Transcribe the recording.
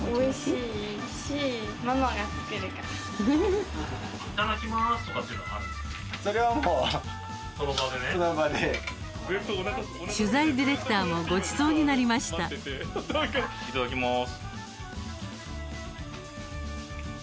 いただきます。